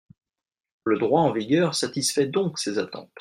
Le droit en vigueur satisfait donc ces attentes.